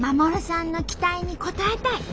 さんの期待に応えたい。